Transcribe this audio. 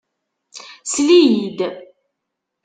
Sell-iyi-d!